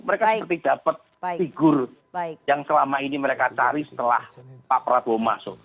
mereka seperti dapat figur yang selama ini mereka cari setelah pak prabowo masuk